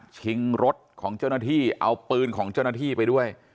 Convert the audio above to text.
ชิงรถของเจ้าหน้าที่เอาปืนของเจ้าหน้าที่ไปด้วย